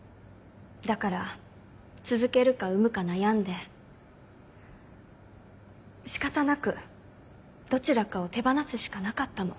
だから続けるか産むか悩んで仕方なくどちらかを手放すしかなかったの。